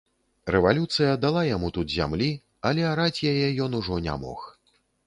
Рэвалюцыя дала яму тут зямлі, але араць яе ён ужо не мог.